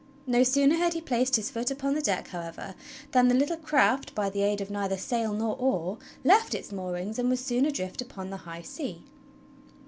No sooner had he placed his foot upon the deck, however, than the little craft, by the aid of neither sail nor oar, left its moorings and was soon adrift upon the high seas.